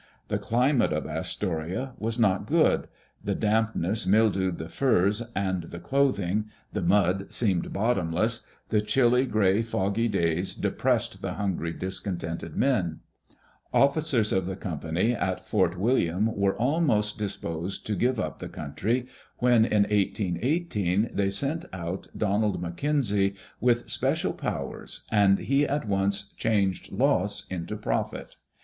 The climate of Astoria was not good: the damp ness mildewed the furs and the clothing; the mud seemed bottomless; the chilly, gray, foggy days depressed the hungry, discontented men. Officers of the company at Fort William were almost disposed to give up the country, when, in 18 18, they sent out Donald McKenzie Digitized by CjOOQ IC BRIEF HISTORY FROM ORIGINAL SOURCES with special powers, and he at once changed loss into profit.